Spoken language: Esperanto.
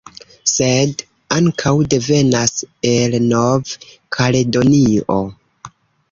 Sed ankaŭ devenas el Nov-Kaledonio